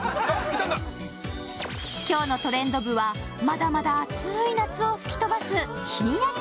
今日の「トレンド部」はまだまだ暑い夏を吹き飛ばすひんやり